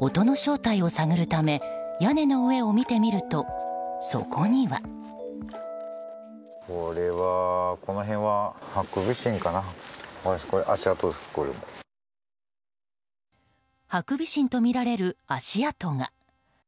音の正体を探るため屋根の上を見てみるとそこには。ハクビシンとみられる足跡が。